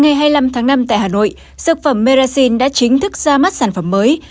ngày hai mươi năm tháng năm tại hà nội dược phẩm merraxi đã chính thức ra mắt sản phẩm mới